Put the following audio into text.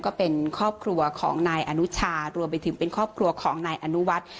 ก็เป็นครอบครัวของนายอนุชารวมไปถึงเป็นครอบครัวของนายอนุวัฒน์